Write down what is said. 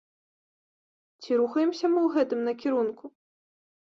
Ці рухаемся мы ў гэтым накірунку?